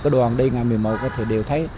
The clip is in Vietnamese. đoàn đi ngày một mươi một